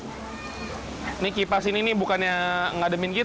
ini kipas ini ini bukannya ngademin kita